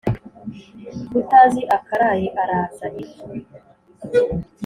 Utazi akaraye araza ifu.